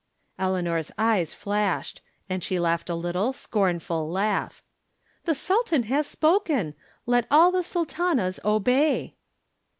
Eleanor's eyes flashed ; and she laughed a little, scornful laugh. " The Sultan has spoken ! Let all the Sultanas obey